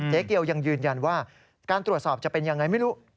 เกียวยังยืนยันว่าการตรวจสอบจะเป็นยังไงไม่รู้